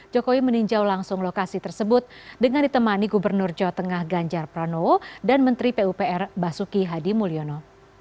jokowi meninjau langsung lokasi tersebut dengan ditemani gubernur jawa tengah ganjar pranowo dan menteri pupr basuki hadi mulyono